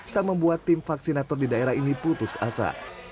tak membuat tim vaksinator di daerah ini putus asa